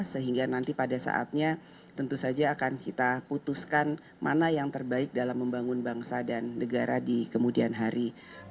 sehingga nanti pada saatnya tentu saja akan kita putuskan mana yang terbaik dalam membangun bangsa dan negara di kemudian hari